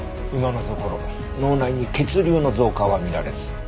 今のところ脳内に血流の増加は見られず。